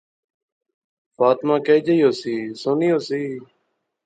فاطمہ کئی جئی ہوسی؟ سوہنی ہوسی